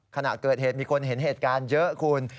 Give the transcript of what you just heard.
ขณะเกิดเหตุมีคนเห็นเหตุการณ์เยอะคุณ